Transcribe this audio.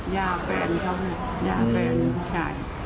ยาแฟนเขาน่ะยาแฟนผู้ชาย